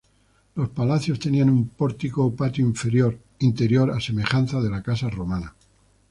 Los palacios tenían un pórtico o patio interior a semejanza de la casa romana.